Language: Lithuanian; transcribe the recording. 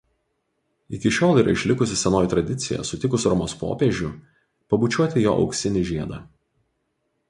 Iki šiol yra išlikusi senoji tradicija sutikus Romos popiežių pabučiuoti jo auksinį žiedą.